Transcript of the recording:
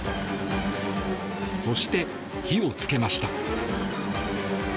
そして、火をつけました。